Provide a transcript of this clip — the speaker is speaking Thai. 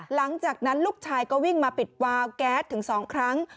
หลังจากนั้นลูกชายก็วิ่งมาปิดวาวแก๊สถึง๒ครั้ง